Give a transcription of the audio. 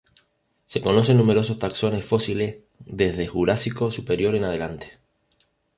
Se conocen numerosos taxones fósiles desde Jurásico superior en adelante.